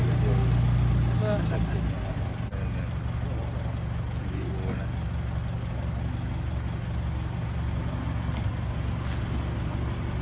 มันเย็บเลยหรอ